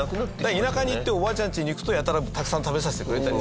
田舎に行っておばあちゃんちに行くとやたらたくさん食べさせてくれたり。